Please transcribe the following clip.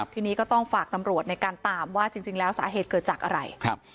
ทีนี้ก็ต้องฝากตำรวจในการตามว่าจริงแล้วสาเหตุเกิดจากอะไรครับ